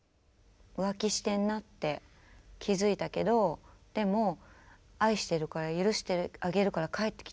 浮気してるなって気付いたけどでも愛してるから許してあげるから帰ってきてほしいっていう。